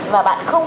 và bạn cũng có thể